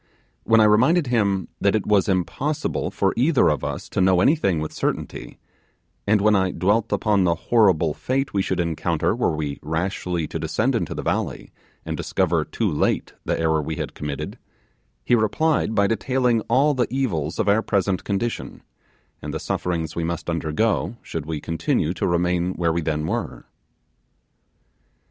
When I reminded him that it was impossible for either of us to know anything with certainty, and when I dwelt upon the horrible fate we should encounter were we rashly to descend into the valley, and discover too late the error we had committed, he replied by detailing all the evils of our present condition, and the sufferings we must undergo should we continue to remain where we then were.